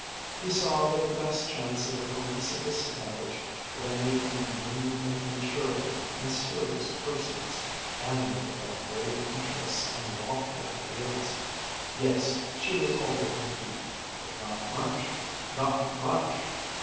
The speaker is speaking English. He saw that the best chance of a felicitous marriage lay in a union of mature and serious persons, animated by grave interests and lofty ideals. Yes, she was older than he. But not much, not much!